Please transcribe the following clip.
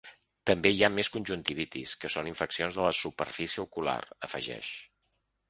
“També hi ha més conjuntivitis, que són infeccions de la superfície ocular”, afegeix.